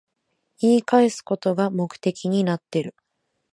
言い返すことが目的になってる